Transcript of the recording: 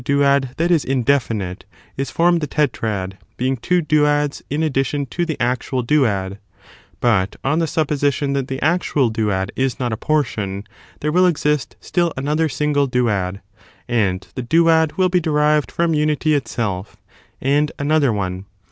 duad that is indefinite, is formed the tetrad, being two duads in addition to the actual duad ; but, on the supposition that the actual duad is not a portion, there will exist still another single duad, and the duad will be derived from unity itself, and another one.